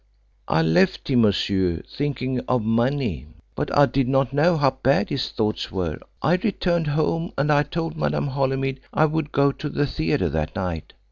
"I left him, monsieur, thinking of money. But I did not know how bad his thoughts were. I returned home, and I told Madame Holymead I would go to the theatre that night.